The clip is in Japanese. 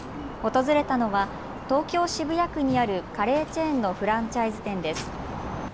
訪れたのは東京渋谷区にあるカレーチェーンのフランチャイズ店です。